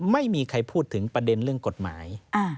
ไม่มีใครพูดถึงประเด็นเรื่องกฎหมาย